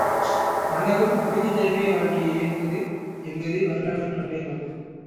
மண்ணகம் அமைதி தழுவிய வாழ்க்கையை ஏற்பது என்பது வரலாற்றின் கட்டாயமாகும்.